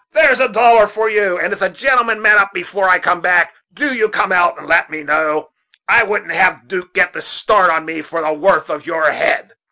there's a dollar for you; and if the gentle men get up before I come back, do you come out and let me know. I wouldn't have 'Duke get the start of me for the worth of your head."